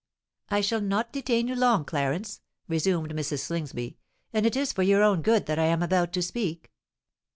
"I shall not detain you long, Clarence," resumed Mrs. Slingsby: "and it is for your good that I am about to speak.